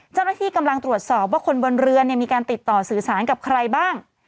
เจ้าหน้าที่กำลังตรวจสอบว่าคนบนเรือมีการติดต่อสื่อสารกับใครบ้าง